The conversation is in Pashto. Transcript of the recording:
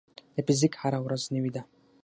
د فزیک هره ورځ نوې ده.